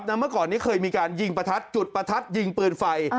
เมื่อก่อนนี้เคยมีการยิงประทัดจุดประทัดยิงปืนไฟ